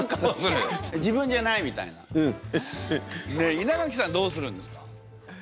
ねえ稲垣さんどうするんですか？